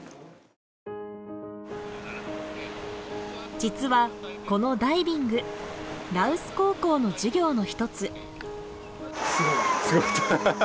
実はこのダイビング羅臼高校の授業の一つ。